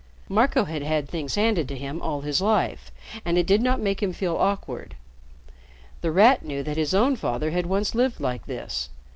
Marco had had things handed to him all his life, and it did not make him feel awkward. The Rat knew that his own father had once lived like this.